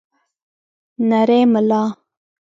نرۍ ملا